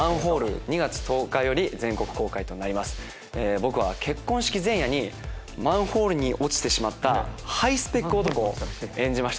僕は結婚式前夜にマンホールに落ちてしまったハイスペック男を演じました。